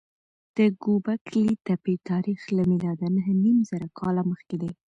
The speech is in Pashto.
د ګوبک لي تپې تاریخ له میلاده نههنیمزره کاله مخکې دی.